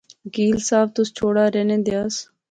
وکیل صاحب، تس چھوڑا، رہنے دیا س